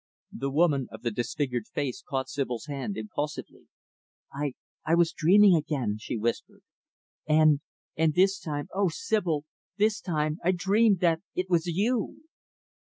The woman of the disfigured face caught Sibyl's hand, impulsively. "I I was dreaming again," she whispered, "and and this time O Sibyl this time, I dreamed that it was you."